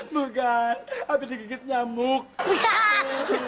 bukan abis digigit nyamuk